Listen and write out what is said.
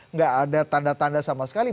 nggak ada tanda tanda sama sekali